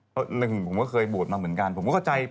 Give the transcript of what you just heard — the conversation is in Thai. เพราะหนึ่งผมก็เคยบวชมาเหมือนกันผมก็เข้าใจ